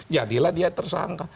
jadilah dia tersangka